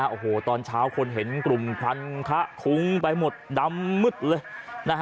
โอ้โหตอนเช้าคนเห็นกลุ่มพันธุ์คุ้งไปหมดดำหมึดเลย